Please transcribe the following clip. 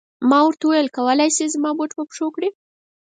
ما ورته و ویل چې کولای شې زما بوټ په پښو کړې.